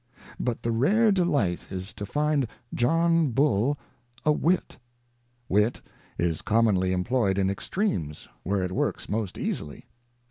But the rare delight is to find John Bull a wit ! Wit is commonly employed in extremes, where it works most easily.